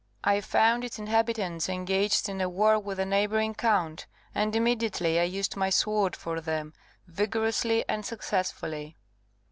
I found its inhabitants engaged in a war with a neighbouring count, and immediately I used my sword for them, vigorously and successfully."